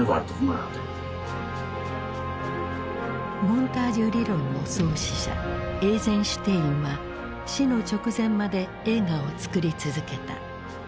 モンタージュ理論の創始者エイゼンシュテインは死の直前まで映画を作り続けた。